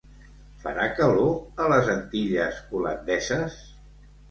Farà calor a les Antilles Holandeses?